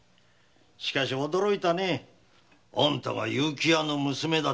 しかし驚いたねあんたが結城屋の娘だったとは。